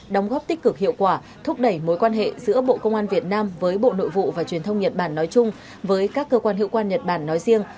đóng góp tích cực hiệu quả thúc đẩy mối quan hệ giữa bộ công an việt nam với bộ nội vụ và truyền thông nhật bản nói chung với các cơ quan hữu quan nhật bản nói riêng